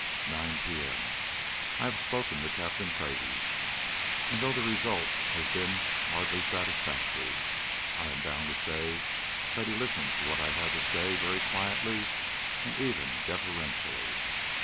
9 P.M, I have spoken to Captain Craigie, and though the result has been hardly satisfactory, I am bound to say that he listened to what I had to say very quietly and even deferentially.